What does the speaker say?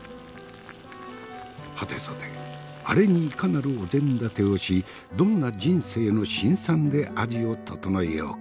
はてさてアレにいかなるお膳立てをしどんな人生の辛酸で味を調えようか。